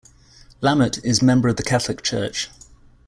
Lammert is member of the Catholic Church.